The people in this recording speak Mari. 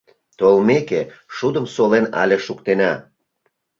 Толмеке, шудым солен але шуктена.